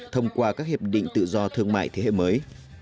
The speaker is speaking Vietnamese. thông qua các hiệp định tự do thương mại thế hệ mới